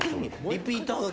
リピーターが来る。